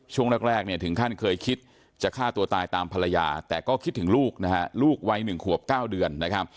ช่วงแรกเนี่ยถึงขั้นเคยคิดจะฆ่าตัวตายตามภรรยาแต่ก็คิดถึงลูกนะฮะลูกวัย๑ขวบ๙เดือนนะครับ